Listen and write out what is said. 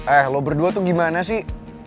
eh lo berdua tuh gimana sih